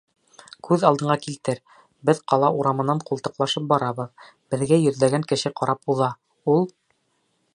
Күҙ алдыңа килтер: беҙ ҡала урамынан ҡултыҡлашып барабыҙ, беҙгә йөҙләгән кеше ҡарап уҙа, ул...